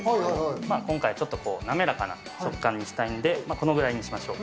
今回、ちょっと滑らかな食感にしたいんで、このぐらいにしましょう。